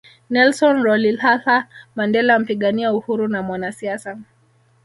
Nelson Rolihlahla Mandela mpigania uhuru na mwanasiasa